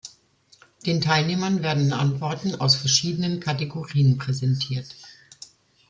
Den Teilnehmern werden Antworten aus verschiedenen Kategorien präsentiert.